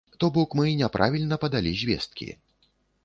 То бок мы няправільна падалі звесткі.